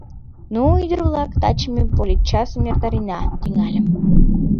— Ну, ӱдыр-влак, таче ме политчасым эртарена, — тӱҥальым.